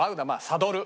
サドル。